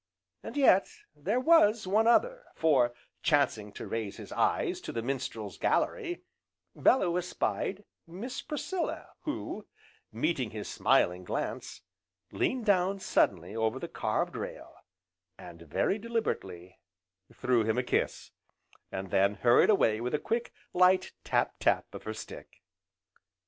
And yet, there was one other, for, chancing to raise his eyes to the minstrel's gallery, Bellew espied Miss Priscilla, who, meeting his smiling glance, leaned down suddenly over the carved rail, and very deliberately, threw him a kiss, and then hurried away with a quick, light tap tap of her stick.